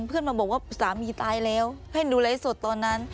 เพื่อนมาบอกว่าสามีตายแล้วให้ดูไลฟ์สดตอนนั้น